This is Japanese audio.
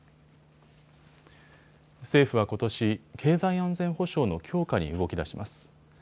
政府はことし、経済安全保障の強化に動きだします。